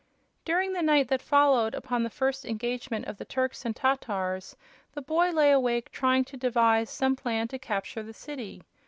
During the night that followed upon the first engagement of the Turks and Tatars, the boy lay awake trying to devise some plan to capture the city.